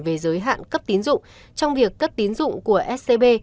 về giới hạn cấp tín dụng trong việc cấp tín dụng của scb